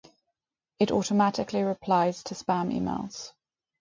It automatically replies to spam emails.